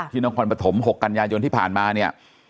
ที่นครปฐมหกกัญญายนที่ผ่านมาเนี่ย